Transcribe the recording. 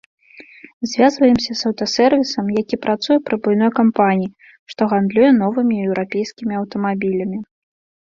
Звязваемся з аўтасэрвісам, які працуе пры буйной кампаніі, што гандлюе новымі еўрапейскімі аўтамабілямі.